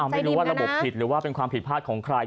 ไม่รู้ว่าระบบผิดหรือว่าเป็นความผิดพลาดของใคร